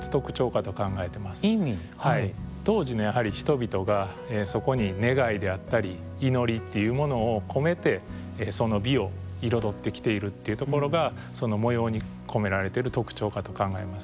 当時の人々がそこに願いであったり祈りっていうものを込めてその美を彩ってきているというところがその模様に込められている特徴かと考えます。